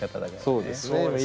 そうですね